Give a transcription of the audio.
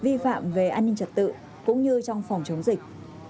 vi phạm về an ninh trật tự cũng như trong phòng chống dịch